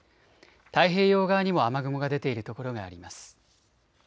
太平洋側にも雨雲が出ている所があります。